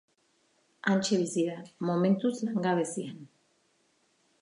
Hantxe bizi da, momentuz langabezian.